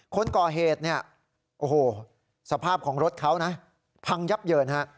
คนก่อเหตุสภาพของรถเขาพังยับเยิน